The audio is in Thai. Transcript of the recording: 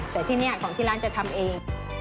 แต่ที่นี่ของที่ร้านจะทำเอง